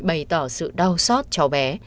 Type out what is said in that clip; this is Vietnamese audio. bày tỏ sự đau xót cho bé